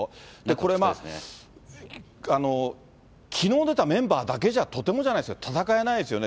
これ、きのう出たメンバーだけじゃ、とてもじゃないですけど、戦えないですよね。